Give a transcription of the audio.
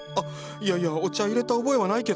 いやいやお茶いれた覚えはないけど？